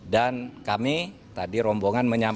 dan kami tadi rombongan menyampaikan